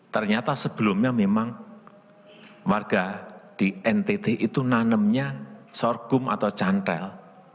ternyata sebelumnya memang warga di ntt itu nanamnya sorghum atau cantel